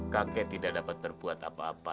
kakek tidak dapat berbuat apa apa